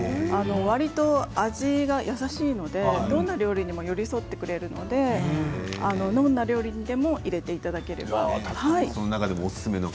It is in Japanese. わりと味が優しいのでどんな料理にも寄り添ってくれるのでどんな料理にでも入れていただける。